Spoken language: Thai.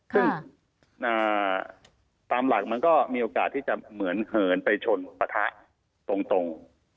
ซึ่งตามหลักมันก็มีโอกาสที่จะเหมือนเหินไปชนปะทะตรง